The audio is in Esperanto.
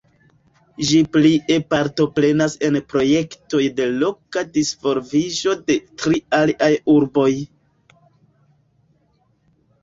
Ĝi plie partoprenas en projektoj de loka disvolviĝo de tri aliaj urboj.